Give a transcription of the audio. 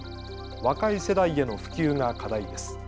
若い世代への普及が課題です。